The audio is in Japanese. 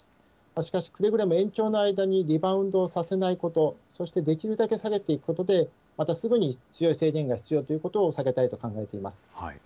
しかし、くれぐれも延長の間にリバウンドをさせないこと、そしてできるだけ下げていくことで、またすぐに強い制限が必要ということを避けたいと考えています。